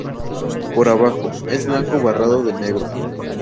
Por abajo, es blanco barrado de negro.